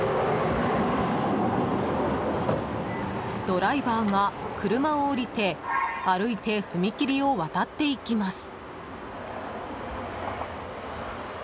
ドライバーが車を降りて歩いて踏切を渡っていきます。